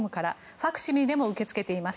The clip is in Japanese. ファクシミリでも受け付けています。